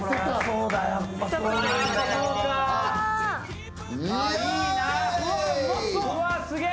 うわっすげえ。